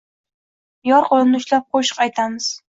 Yor qo’lini ushlab qo’shiq aytamiz.